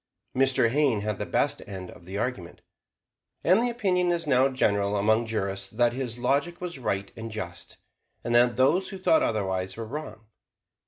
Mr. Hayne had the best end of the argument, and the opinion is now general among jurists that his logic was right and just, and that those who thought otherwise were wrong.